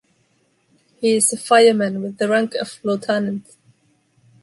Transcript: He is a fireman with the rank of lieutenant.